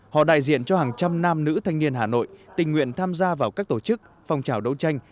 họ đại diện cho hàng trăm nam nữ thanh niên hà nội tình nguyện tham gia vào các tổ chức phong trào đấu tranh